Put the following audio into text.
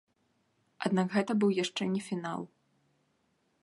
Аднак гэта быў яшчэ не фінал.